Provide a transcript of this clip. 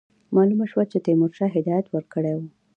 معلومه شوه چې تیمورشاه هدایت ورکړی وو.